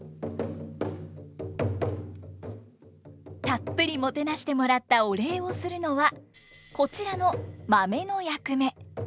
たっぷりもてなしてもらったお礼をするのはこちらの「まめ」の役目。